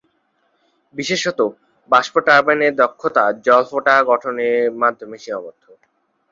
বিশেষত, বাষ্প টারবাইন এর দক্ষতা জল-ফোঁটা গঠনের মাধ্যমে সীমাবদ্ধ।